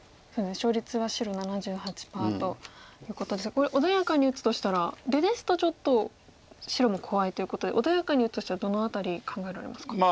勝率は白７８％ということですがこれ穏やかに打つとしたら出ですとちょっと白も怖いということで穏やかに打つとしたらどの辺り考えられますか？